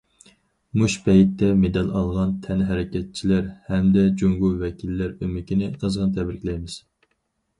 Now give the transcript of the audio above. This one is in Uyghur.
مۇش پەيتتە، مېدال ئالغان تەنھەرىكەتچىلەر ھەمدە جۇڭگو ۋەكىللەر ئۆمىكىنى قىزغىن تەبرىكلەيمىز.